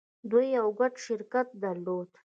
دوی يو ګډ شرکت درلود.